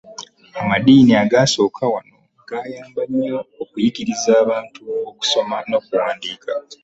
Amadiini agaasooka wano gaayamba nnyo okuyigiriza abantu okusoma n'okuwandiika.